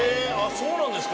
そうなんですか。